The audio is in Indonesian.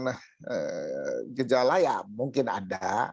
dan gejala ya mungkin ada